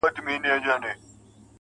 اې ښكلي پاچا سومه چي ستا سومه.